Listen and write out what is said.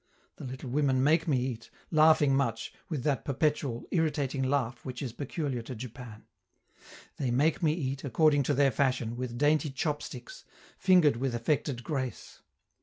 The little women make me eat, laughing much, with that perpetual, irritating laugh which is peculiar to Japan they make me eat, according to their fashion, with dainty chop sticks, fingered with affected grace.